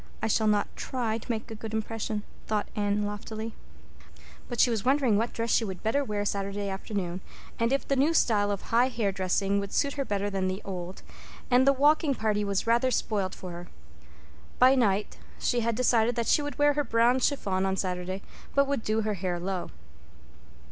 I shall not try to make a good impression," thought Anne loftily. But she was wondering what dress she would better wear Saturday afternoon, and if the new style of high hair dressing would suit her better than the old; and the walking party was rather spoiled for her. By night she had decided that she would wear her brown chiffon on Saturday, but would do her hair low.